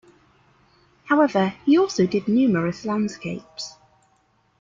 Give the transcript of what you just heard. However he also did numerous landscapes.